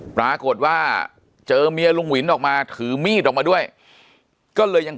ปรากฏว่าเจอเมียลุงวินออกมาถือมีดออกมาด้วยก็เลยยัง